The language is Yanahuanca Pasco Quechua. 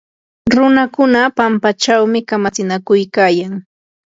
runakunam pampachaw kamatsinakuykayan.